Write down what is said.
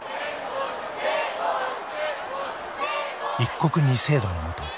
一国二制度のもと